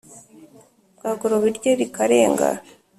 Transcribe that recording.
Bwagoroba irye rikarenga.